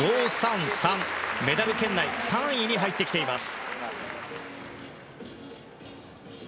メダル圏内の３位に入ってきています。